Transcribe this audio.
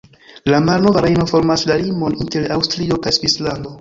La Malnova Rejno formas la limon inter Aŭstrio kaj Svislando.